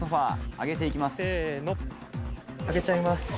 上げちゃいます。